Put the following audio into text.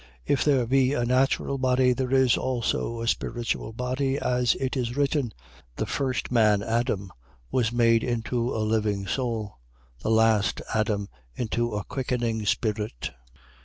If there be a natural body, there is also a spiritual body, as it is written: 15:45. The first man Adam was made into a living soul; the last Adam into a quickening spirit.